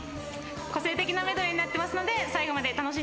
個性的なメドレーになってますので最後まで楽しんでってくだざい。